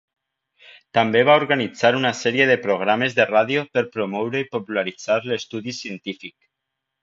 També va organitzar una sèrie de programes de ràdio per promoure i popularitzar l'estudi científic.